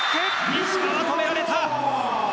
石川、止められた。